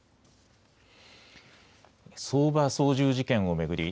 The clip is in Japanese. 相場操縦事件を巡り